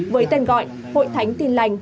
với tên gọi hội thánh tin lành